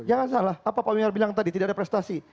jangan salah apa pak wimar bilang tadi tidak ada prestasi